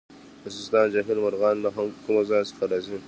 د سیستان جهیل مرغان له کوم ځای راځي؟